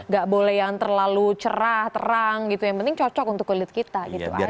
gak boleh yang terlalu cerah terang gitu yang penting cocok untuk kulit kita gitu